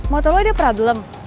mata lu ada problem